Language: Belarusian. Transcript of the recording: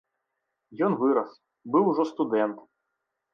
Ён вырас, быў ужо студэнт.